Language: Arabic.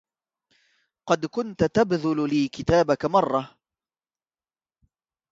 قد كنت تبذل لي كتابك مرة